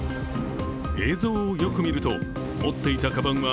映像をよく見ると、持っていたかばんは